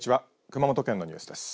熊本県のニュースです。